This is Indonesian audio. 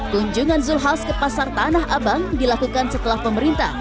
kunjungan zulhaus ke pasar tanah abang dilakukan setelah pemerintah